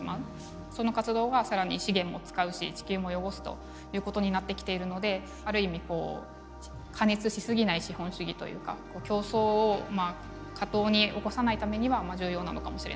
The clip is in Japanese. その活動が更に資源も使うし地球も汚すということになってきているのである意味こう過熱し過ぎない資本主義というか競争を過当に起こさないためには重要なのかもしれないなと思います。